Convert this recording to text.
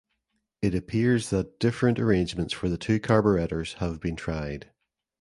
It appears that different arrangements for the two carburettors have been tried.